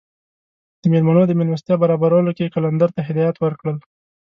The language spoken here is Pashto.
د میلمنو د میلمستیا برابرولو کې یې قلندر ته هدایات ورکړل.